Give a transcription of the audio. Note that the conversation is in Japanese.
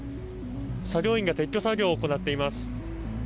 作業員が撤去作業を行っています。